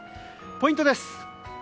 ポイントです。